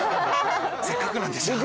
せっかくなんでじゃあ。